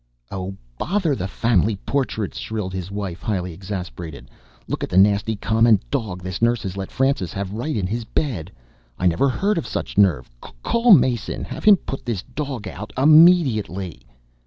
"Oh, bother the family portraits!" shrilled his wife, highly exasperated. "Look at the nasty common dog this nurse has let Francis have right in his bed! I never heard of such nerve! Call Mason! Have him put this dog out immediately!"